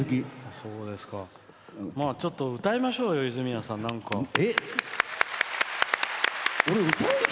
ちょっと歌いましょうよ泉谷さん、なんか。